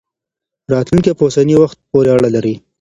راتلونکی په اوسني وخت پورې اړه لري.